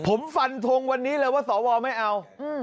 ผมฟันทงวันนี้เลยว่าสวไม่เอา